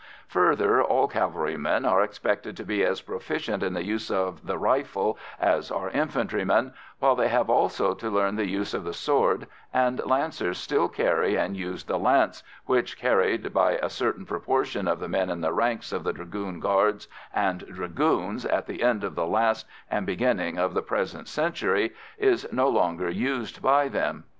Further, all cavalrymen are expected to be as proficient in the use of the rifle as are infantrymen, while they have also to learn the use of the sword, and Lancers still carry and use the lance, which, carried by a certain proportion of the men in the ranks of the Dragoon Guards and Dragoons at the end of the last and beginning of the present century, is no longer used by them.